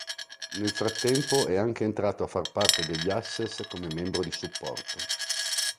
Nel frattempo è anche entrato a far parte degli access, come membro di supporto.